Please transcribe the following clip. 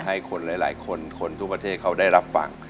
ให้คนหลายคนคนทุกประเทศเขาได้รับฟัง